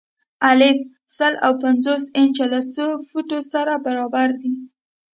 الف: سل او پنځوس انچه له څو فوټو سره برابر دي؟